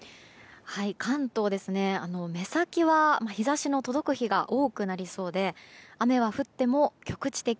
関東、目先は日差しの届く日が多くなりそうで雨は降っても局地的。